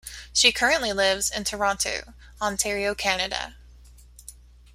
She currently lives in Toronto, Ontario, Canada.